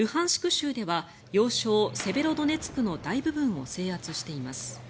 州では要衝セベロドネツクの大部分を制圧しています。